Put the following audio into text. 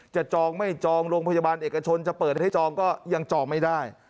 จองไม่จองโรงพยาบาลเอกชนจะเปิดให้จองก็ยังจองไม่ได้